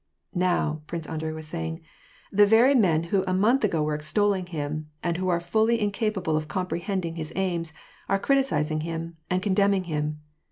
"Now," Prince Andrei was saying, "the very men who a month ago were extolling him, and who are wholly incapable of comprehending his aims, are criticising him, and condemning him.